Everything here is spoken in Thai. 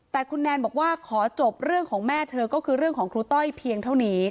แต่คุณแนนบอกว่าขอจบเรื่องของแม่เธอก็คือเรื่องของครูต้อยเพียงเท่านี้